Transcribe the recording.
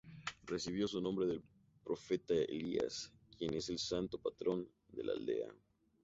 Recibió su nombre del profeta Elías, quien es el santo patrono de la aldea.